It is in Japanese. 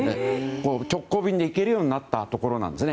直行便で行けるようになったところなんですね。